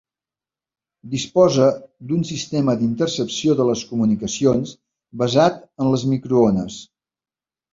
Disposa d'un sistema d'intercepció de les comunicacions basat en les microones.